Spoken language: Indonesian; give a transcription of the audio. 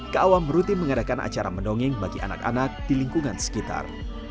keawam rutin mengadakan acara mendongeng bagi anak anak di lingkungan sekitar